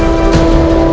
aku sudah menang